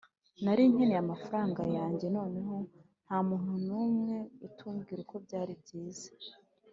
nari nkeneye amafaranga yanjye noneho, ntamuntu numwe utubwira ko byari byiza